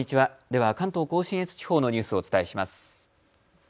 では関東甲信越地方のニュースをお伝えします。